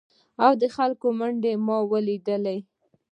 او د خلکو منډه نو ما ولیدله ؟